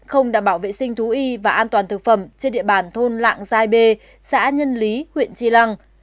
không đảm bảo vệ sinh thú y và an toàn thực phẩm trên địa bàn thôn lạng giai bê xã nhân lý huyện tri lăng